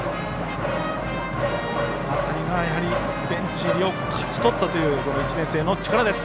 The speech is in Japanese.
やはりベンチ入りを勝ち取ったという１年生の力です。